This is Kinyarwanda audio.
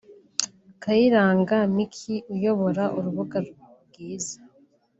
Kayiranga Mecky uyobora urubuga bwiza